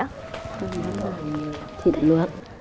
món này thịt nước